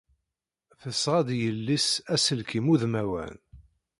Tesɣa-d i yelli-s aselkim udmawan.